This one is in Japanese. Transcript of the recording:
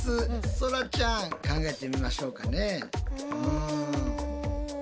そらちゃん考えてみましょうかね。